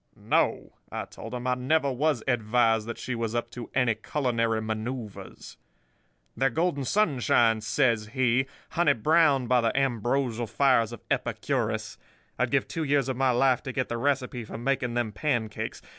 No,' I told him. 'I never was advised that she was up to any culinary manoeuvres.' "'They're golden sunshine,' says he, 'honey browned by the ambrosial fires of Epicurus. I'd give two years of my life to get the recipe for making them pancakes.